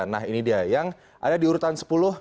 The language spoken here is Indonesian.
nah ini dia yang ada di urutan sepuluh